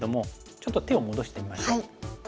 ちょっと手を戻してみましょう。